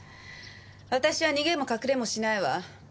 私は逃げも隠れもしないわ。